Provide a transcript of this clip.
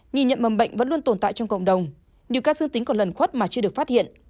nghi nhận mầm bệnh vẫn luôn tồn tại trong cộng đồng nhiều ca dương tính còn lần khuất mà chưa được phát hiện